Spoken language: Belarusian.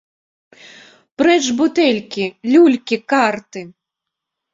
Прэч бутэлькі, люлькі, карты!